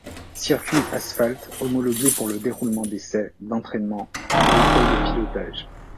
Circuit asphalte, homologué pour le déroulement d'essai, d'entraînement et école de pilotage.